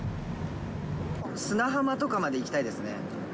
砂浜とかまで行きたいですね。